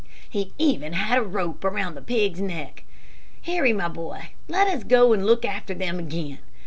"He even had a rope around the pig's neck. Harry, my boy, let us go and look after them again.